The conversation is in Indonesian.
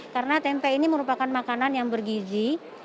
karena tempe ini merupakan makanan yang bergizi